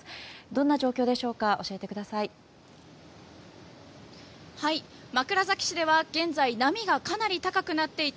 どんな状況でしょうか教えてください。